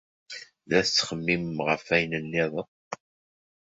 La tettxemmimem ɣef wayen niḍen.